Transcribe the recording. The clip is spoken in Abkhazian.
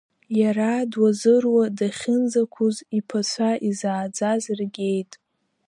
Иара дуазыруа дахьынӡақәыз, иԥацәа изааӡаз иргеит.